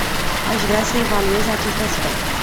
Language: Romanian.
Aș vrea să evaluez acest aspect.